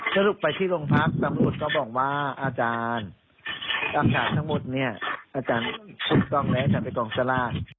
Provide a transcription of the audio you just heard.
สรุปไปที่โรงพักตำรวจก็บอกว่าอาจารย์อาจารย์ทั้งหมดเนี่ยอาจารย์ทุกต้องไว้ให้ฉันไปกองสลาด